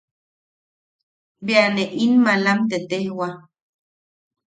Bea ne in malam tetejwa.